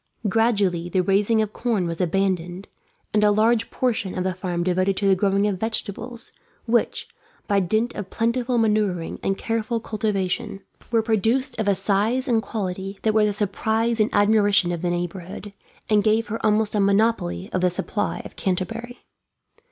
Gradually the raising of corn was abandoned, and a large portion of the farm devoted to the growing of vegetables; which, by dint of plentiful manuring and careful cultivation, were produced of a size and quality that were the surprise and admiration of the neighbourhood, and gave her almost a monopoly of the supply of Canterbury.